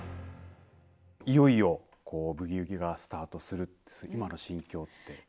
いよいよブギウギがスタートする、今の心境って。